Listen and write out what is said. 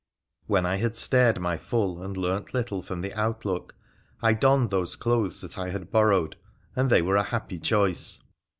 When I had stared my full and learnt little from the out look, I donned those clothes that I had borrowed, and they were a happy choice.